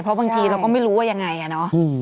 เพราะบางทีเราก็ไม่รู้ว่ายังไงอะเนาะ